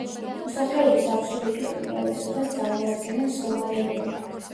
მოსახლეობის აბსოლუტური უმრავლესობას წარმოადგენენ სომალელები.